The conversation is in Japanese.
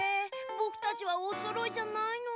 ぼくたちはおそろいじゃないのだ。